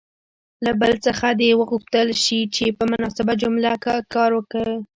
له بل څخه دې وغوښتل شي چې په مناسبه جمله کې وکاروي.